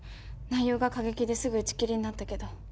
内容が過激ですぐ打ち切りになったけど。